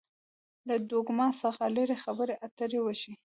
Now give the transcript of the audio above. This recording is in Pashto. له ډوګما څخه لري خبرې اترې وشي.